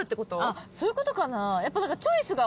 あっそういうことかな？